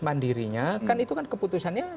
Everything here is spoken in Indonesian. mandirinya kan itu kan keputusannya